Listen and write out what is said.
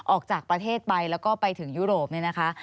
ออกจากประเทศไปแล้วก็ไปถึงยุโรปเนี่ยนะคะ